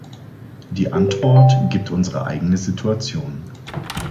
Die Antwort gibt unsere eigene Situation.